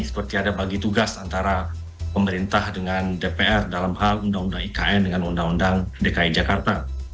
seperti ada bagi tugas antara pemerintah dengan dpr dalam hal undang undang ikn dengan undang undang dki jakarta